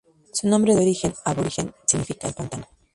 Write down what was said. Su nombre de origen aborigen significa "El Pantano".